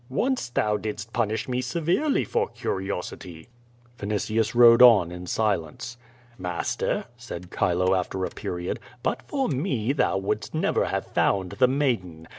"Once thou didst punish me severely for curiosity. Vinitius rode on in silence. "Master, said Chilo, after a period, but for me thou wouldst never have found the maiden.